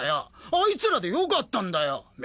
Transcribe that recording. あいつらで良かったんだよ明